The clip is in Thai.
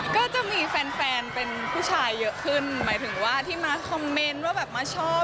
ก็จะมีแฟนแฟนเป็นผู้ชายเยอะขึ้นหมายถึงว่าที่มาคอมเมนต์ว่าแบบมาชอบ